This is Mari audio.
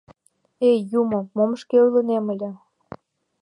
Эй, юмо, мом шке ойлынем ыле?..